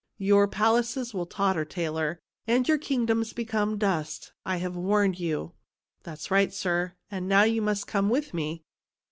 Your palaces will totter, Taylor, and your kingdoms become as dust. I have warned you." " That's right, sir ; and now you must come with me."